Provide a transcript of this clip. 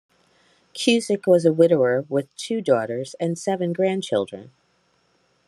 Cusick was a widower with two daughters and seven grandchildren.